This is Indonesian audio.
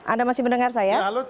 anda masih mendengar saya